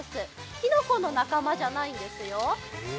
きのこの仲間じゃないんですよ。